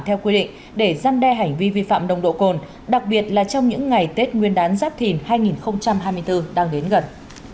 theo quy định để gian đe hành vi vi phạm đồng độ cồn đặc biệt là trong những ngày tết nguyên đán giáp thìn hai nghìn hai mươi bốn đang đến gần